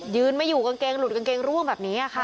ยืนไม่อยู่กางเกงหลุดกางเกงร่วงแบบนี้ค่ะ